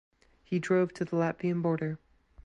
He drove to the Latvian border.